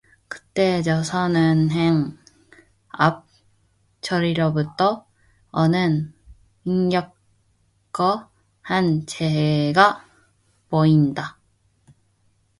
그때 조선은행 앞 저리로부터 오는 인력거 한 채가 보인다.